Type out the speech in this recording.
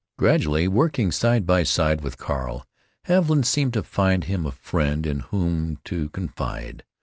Gradually, working side by side with Carl, Haviland seemed to find him a friend in whom to confide.